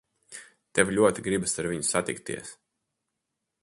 Tev ļoti gribas ar viņu satikties.